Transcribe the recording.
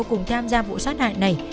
cùng tham gia vụ sát hại này